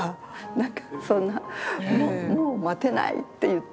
なんかそんな「もう待てない！」って言ってるね。